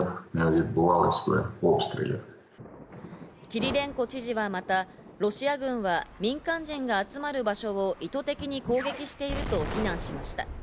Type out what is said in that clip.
キリレンコ知事はまた、ロシア軍は民間人の集まる場所を意図的に攻撃していると非難しました。